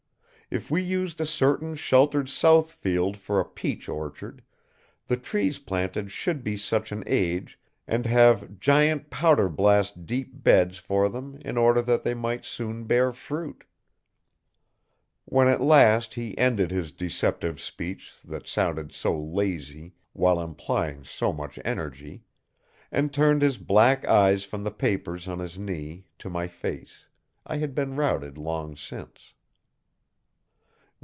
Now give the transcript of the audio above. If we used a certain sheltered south field for a peach orchard, the trees planted should be such an age and have giant powder blast deep beds for them in order that they might soon bear fruit. When at last he ended his deceptive speech that sounded so lazy while implying so much energy, and turned his black eyes from the papers on his knee to my face, I had been routed long since.